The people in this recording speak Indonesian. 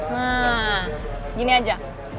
nah gini aja